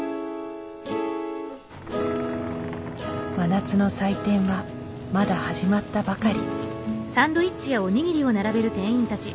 真夏の祭典はまだ始まったばかり。